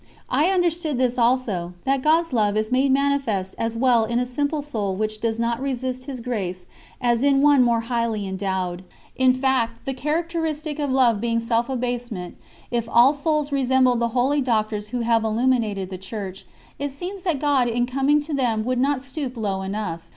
I understood this also, that God's Love is made manifest as well in a simple soul which does not resist His grace as in one more highly endowed. In fact, the characteristic of love being self abasement, if all souls resembled the holy Doctors who have illuminated the Church, it seems that God in coming to them would not stoop low enough.